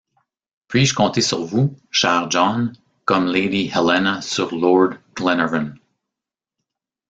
Puis-je compter sur vous, cher John, comme lady Helena sur lord Glenarvan?